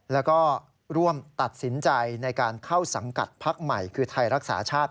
แล้วก็ร่วมตัดสินใจในการเข้าสังกัดพักใหม่คือไทยรักษาชาติ